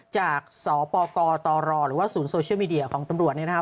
จากสปกตรหรือว่าศูนย์โซเชียลมีเดียของตำรวจเนี่ยนะครับ